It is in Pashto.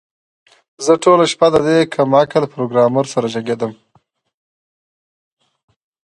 زه ټوله شپه د دې کم عقل پروګرامر سره جنګیدم